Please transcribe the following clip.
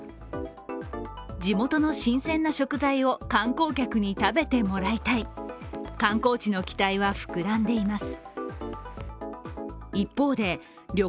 地元の新鮮な食材を観光客に食べてもらいたい観光地の期待は膨らんでいます。